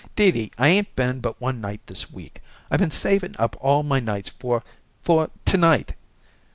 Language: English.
"Dee Dee, I 'ain't been but one night this week. I been saving up all my nights for for to night."